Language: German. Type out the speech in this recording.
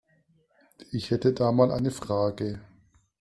Ich hätte da mal eine Frage.